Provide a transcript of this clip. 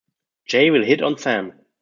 Jay will hit on Sam.